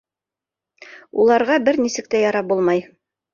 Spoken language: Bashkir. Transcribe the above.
Уларға бер нисек тә ярап булмай!